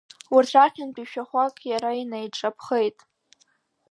Урҭ рахьынтәи шәахәак иара инаиҿаԥхеит.